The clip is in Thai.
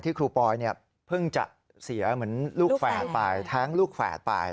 ครูปอยเพิ่งจะเสียเหมือนลูกแฝดไปแท้งลูกแฝดไป